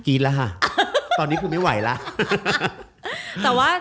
กรี๊ดแล้วค่ะตอนนี้คือไม่ไหวแล้ว